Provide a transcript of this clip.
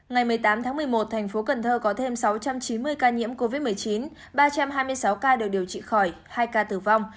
ngày một mươi tám tháng một mươi một thành phố cần thơ có thêm sáu trăm chín mươi ca nhiễm covid một mươi chín ba trăm hai mươi sáu ca được điều trị khỏi hai ca tử vong